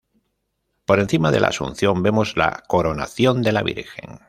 Por encima de la Asunción vemos la Coronación de la Virgen.